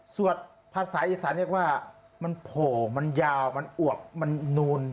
ภาษาอีสานเรียกว่ามันโผล่มันยาวมันอวบมันนูน